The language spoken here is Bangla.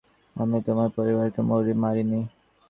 আমি তোমার পারিবারকে মারি নি।